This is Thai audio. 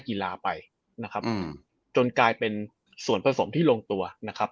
กีฬาไปนะครับจนกลายเป็นส่วนผสมที่ลงตัวนะครับ